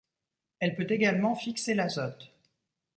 Elle peut également fixer l'azote.